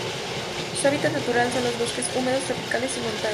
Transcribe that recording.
Su hábitat natural son los bosques húmedos tropicales montanos.